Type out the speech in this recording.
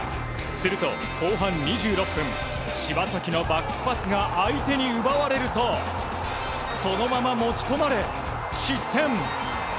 すると後半２６分柴崎のバックパスが相手に奪われるとそのまま持ち込まれ失点。